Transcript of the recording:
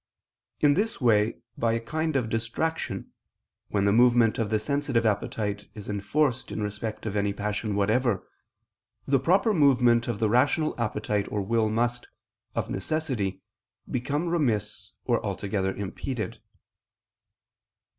In this way, by a kind of distraction, when the movement of the sensitive appetite is enforced in respect of any passion whatever, the proper movement of the rational appetite or will must, of necessity, become remiss or altogether impeded.